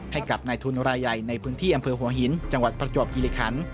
ให้กับนายทุนรายใหญ่ในพื้นที่อำเภอหัวหินจังหวัดประจวบคิริคัน